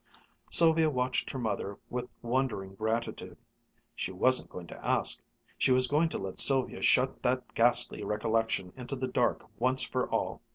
Sylvia watched her mother with wondering gratitude. She wasn't going to ask! She was going to let Sylvia shut that ghastly recollection into the dark once for all.